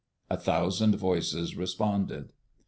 A thousand voices responded.